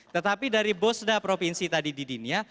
tetapi dari bos da provinsi tadi di dinia